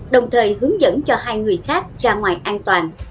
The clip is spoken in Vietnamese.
đồng thời hướng dẫn cho hai người khác ra ngoài an toàn